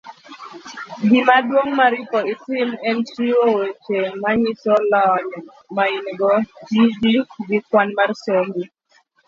Gimaduong ' maoripo itim en chiwo weche manyiso lony maingo, tiji, gi kwan mar sombi.